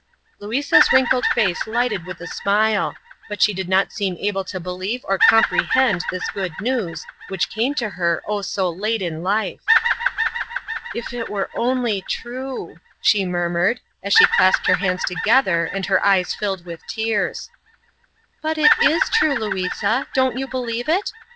Louisa's wrinkled face lighted with a smile; but she did not seem able to believe or comprehend this good news, which came to her, oh, so late in life. "Oh, if it were only true," she murmured, as she clasped her hands together and her eyes filled with tears. "But it is true, Louisa; don't you believe it?